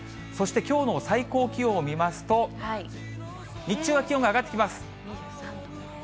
そしてきょうの最高気温を見ますと、日中は気温が上がってきます。